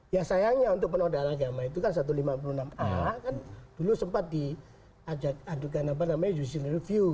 ya sayangnya untuk penodaan agama itu kan satu ratus lima puluh enam a kan dulu sempat diadukan apa namanya judicial review